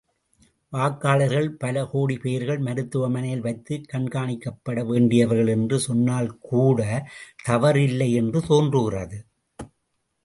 வாக்காளர்களில் பல கோடிப் பேர்கள் மருத்துவமனையில் வைத்துக் கண்காணிக்கப்பட வேண்டியவர்கள் என்று சொன்னால்கூடத் தவறில்லை என்று தோன்றுகிறது.